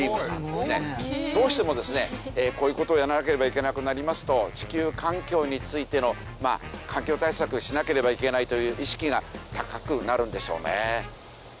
どうしてもですねこういう事をやらなければいけなくなりますと地球環境についてのまあ環境対策しなければいけないという意識が高くなるんでしょうね。